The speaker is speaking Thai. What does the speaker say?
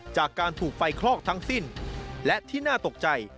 จากการถูกไฟคลอกทั้งสิ้นและที่น่าตกใจ